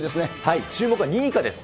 注目は２位以下です。